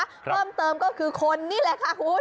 เพิ่มเติมก็คือคนนี่แหละค่ะคุณ